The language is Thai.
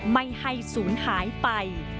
ไม่ให้สูญหายไป